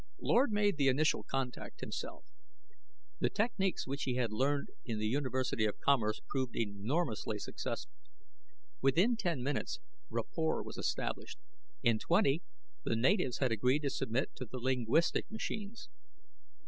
Lord made the initial contact himself. The techniques which he had learned in the University of Commerce proved enormously successful. Within ten minutes rapport was established; in twenty the natives had agreed to submit to the linguistic machines.